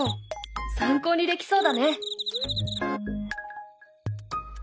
参考にできそうだね。